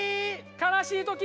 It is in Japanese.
悲しい時。